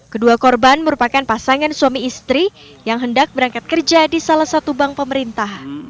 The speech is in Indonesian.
kedua korban merupakan pasangan suami istri yang hendak berangkat kerja di salah satu bank pemerintah